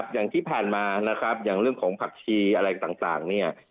อย่างที่ผ่านมาอย่างเรื่องของผักชีอะไรต่าง